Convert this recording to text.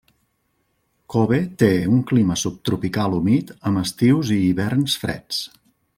Kobe té un clima subtropical humit amb estius i hiverns freds.